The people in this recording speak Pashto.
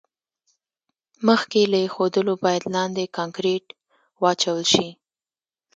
مخکې له ایښودلو باید لاندې کانکریټ واچول شي